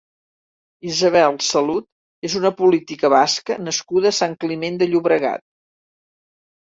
Isabel Salud és una política basca nascuda a Sant Climent de Llobregat.